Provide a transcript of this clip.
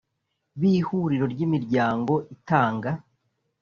b Ihuriro ry Imiryango itanga